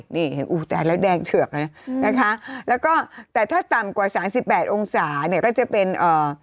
นี่ซึ่งอู๊วแตกปูและแดงเฉอกเนอะนะคะแล้วก็แต่ยังต่างกว่า๓๘องศาเนี่ยก็จะเป็นเอ่อ